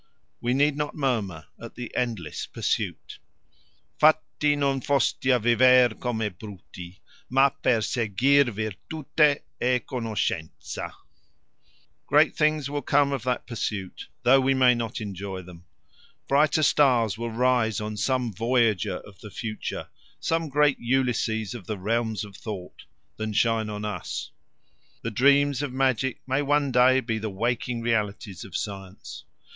We need not murmur at the endless pursuit: Fatti non foste a viver come bruti Ma per seguir virtute e conoscenza. Great things will come of that pursuit, though we may not enjoy them. Brighter stars will rise on some voyager of the future some great Ulysses of the realms of thought than shine on us. The dreams of magic may one day be the waking realities of science.